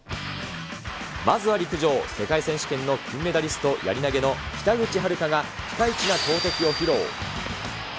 まずは陸上、世界選手権の金メダリスト、やり投げの北口榛花がピカイチな投てきを披露。